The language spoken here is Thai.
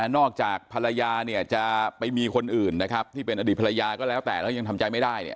นอกจากภรรยาเนี่ยจะไปมีคนอื่นนะครับที่เป็นอดีตภรรยาก็แล้วแต่แล้วยังทำใจไม่ได้เนี่ย